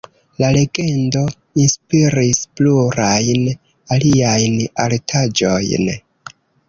La legendo inspiris plurajn aliajn artaĵojn.